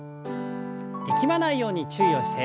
力まないように注意をして。